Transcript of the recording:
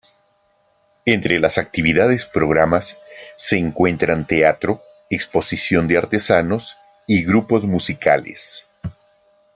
Entre las actividades programas se encuentran teatro, exposición de artesanos y grupos musicales.